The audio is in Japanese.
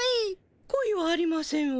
恋はありませんわ。